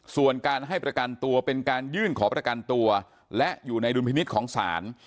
ส่วนการให้ประกันตัวเป็นการยื่นขอประกันตัวและอยู่ในดุลพินิษฐ์ของศาล